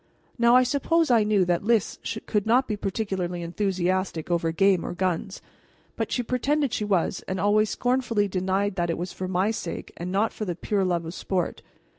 Now I suppose I knew that Lys could not be particularly enthusiastic over game or guns; but she pretended she was, and always scornfully denied that it was for my sake and not for the pure love of sport.